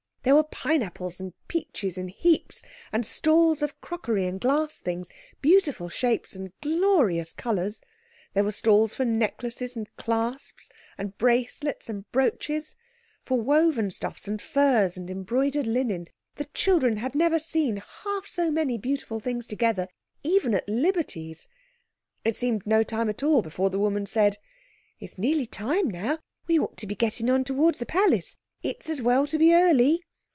There were pineapples and peaches in heaps—and stalls of crockery and glass things, beautiful shapes and glorious colours, there were stalls for necklaces, and clasps, and bracelets, and brooches, for woven stuffs, and furs, and embroidered linen. The children had never seen half so many beautiful things together, even at Liberty's. It seemed no time at all before the woman said— "It's nearly time now. We ought to be getting on towards the palace. It's as well to be early."